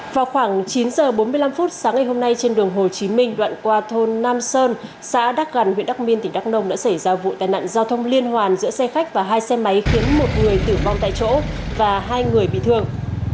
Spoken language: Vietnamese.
vào khoảng chín h bốn mươi năm sáng ngày hôm nay trên đường hồ chí minh đoạn qua thôn nam sơn xã đắk gằn huyện đắc minh tỉnh đắk nông đã xảy ra vụ tai nạn giao thông liên hoàn giữa xe khách và hai xe máy khiến một người tử vong tại chỗ và hai người bị thương